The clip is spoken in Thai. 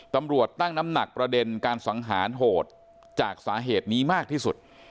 ตำรวจตั้งน้ำหนักประเด็นการสังหารโหดจากสาเหตุนี้มากที่สุด